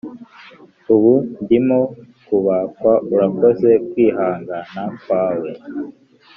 ubu ndimo kubakwa. urakoze kwihangana kwawe.